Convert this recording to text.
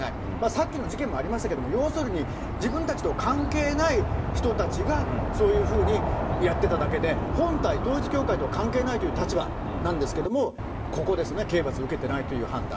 さっきの事件もありましたけれども、要するに自分たちと関係ない人たちが、そういうふうにやってただけで、本体、統一教会とは関係ないという立場なんですけども、ここですね、刑罰を受けてないという判断。